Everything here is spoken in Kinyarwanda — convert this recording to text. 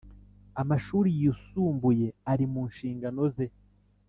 Amashuri yisumbuye ari mu nshingano ze